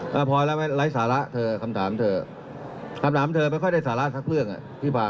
แล้วท่านนักลงเจ็บที่เดี๋ยวไหมคะเพราะว่าเขามาจากร้านแต่งต่อมา